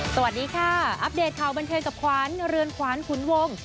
สวัสดีค่ะอัปเดตข่าวบันเทิงกับขวัญเรือนขวานขุนวง